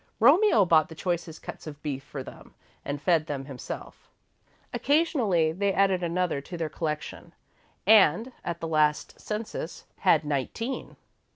Romeo bought the choicest cuts of beef for them and fed them himself. Occasionally they added another to their collection and, at the last census, had nineteen.